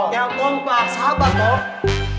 ya ampun pak sahabat dong